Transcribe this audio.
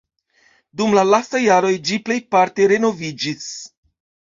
Dum la lastaj jaroj ĝi plejparte renoviĝis.